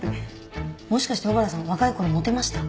もしかして小原さん若い頃モテました？